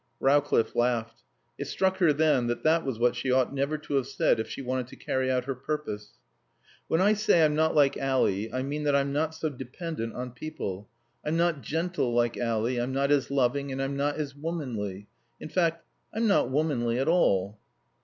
Rowcliffe laughed. It struck her then that that was what she ought never to have said if she wanted to carry out her purpose. "When I say I'm not like Ally I mean that I'm not so dependent on people. I'm not gentle like Ally. I'm not as loving and I'm not as womanly. In fact, I'm not womanly at all."